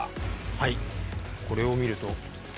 はいこれを見ると。